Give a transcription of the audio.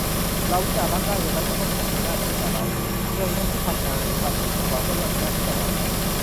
เราวิจารณ์รัฐได้ โดยรัฐยังต้องมีหน้าที่ต่อเรานิ หน่วยงานที่ทำงานด้วยภาษีของเราก็ย่อมมีหน้าที่ต่อเรา